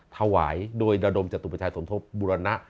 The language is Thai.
ถวายโดยระดมจตุประชาสมทบบุรณะ